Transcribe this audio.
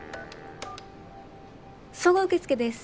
総合受付です。